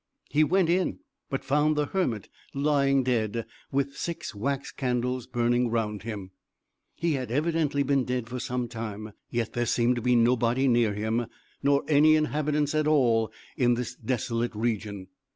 He went in; but found the hermit lying dead, with six wax candles burning around him. He had evidently been dead for some time. Yet there seemed to be nobody near him, nor any inhabitants at all in this desolate region.